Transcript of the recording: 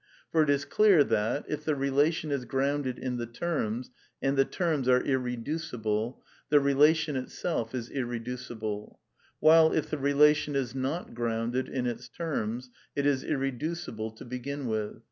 For it is clear that, if the relation is grounded in the terms, and the terms are irreducible, the relation itself is irreducible ; while, if the relation is not grounded in its terms, it is irreducible to begin with.